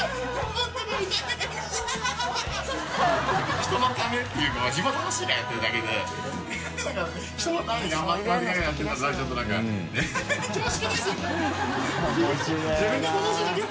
人のためっていうか滅鬚い福